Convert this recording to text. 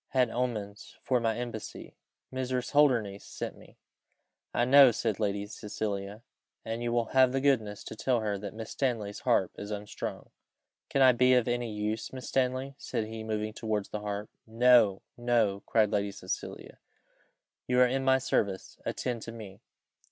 had omens for my embassy. Mrs. Holdernesse sent me." "I know," said Lady Cecilia, "and you will have the goodness to tell her that Miss Stanley's harp is unstrung." "Can I be of any use, Miss Stanley?" said he, moving towards the harp. "No, no," cried Lady Cecilia, "you are in my service, attend to me."